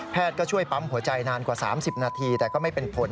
ก็ช่วยปั๊มหัวใจนานกว่า๓๐นาทีแต่ก็ไม่เป็นผล